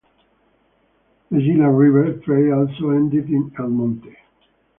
The Gila River trail also ended in El Monte.